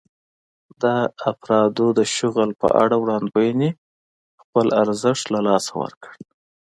د افرادو د شغل په اړه وړاندوېنې خپل ارزښت له لاسه ورکړ.